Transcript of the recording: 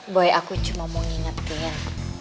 boy aku cuma mau ngingetin